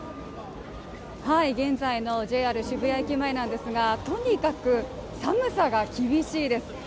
はい現在のＪＲ渋谷駅前なんですが、とにかく寒さが厳しいです。